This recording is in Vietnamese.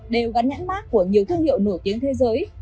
đều gắn nhãn mát của nhiều thương hiệu nổi tiếng thế giới